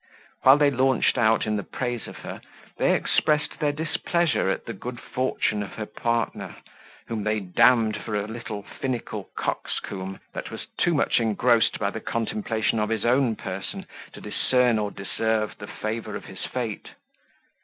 While they launched out in the praise of her, they expressed their displeasure at the good fortune of her partner, whom they d d for a little finical coxcomb, that was too much engrossed by the contemplation of his own person, to discern or deserve the favour of his fate.